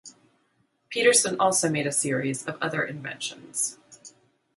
Petersson also made a series of other inventions.